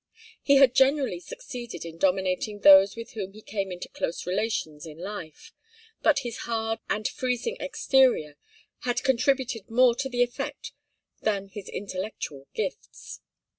He had generally succeeded in dominating those with whom he came into close relations in life, but his hard and freezing exterior had contributed more to the effect than his intellectual gifts.